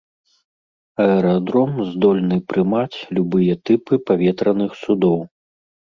Аэрадром здольны прымаць любыя тыпы паветраных судоў.